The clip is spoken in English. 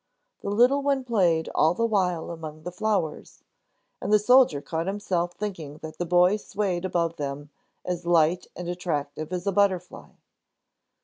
The little one played all the while among the flowers, and the soldier caught himself thinking that the boy swayed above them as light and attractive as a butterfly.